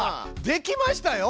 できましたよ。